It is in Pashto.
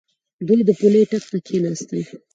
دوی به د پولۍ ټک ته کېناستل.